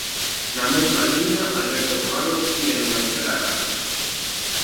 Na mesma liña, Alberto Ruano pide non baixar a garda.